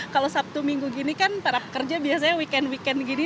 kalau sabtu minggu gini kan para pekerja biasanya weekend weekend gini